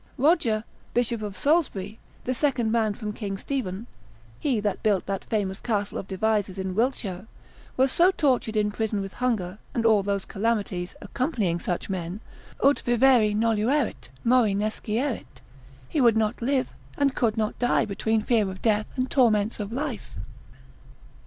Roger, Bishop of Salisbury, the second man from King Stephen (he that built that famous castle of Devizes in Wiltshire,) was so tortured in prison with hunger, and all those calamities accompanying such men, ut vivere noluerit, mori nescierit, he would not live, and could not die, between fear of death, and torments of life.